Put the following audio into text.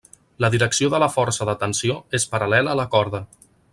La direcció de la força de tensió és paral·lela a la corda.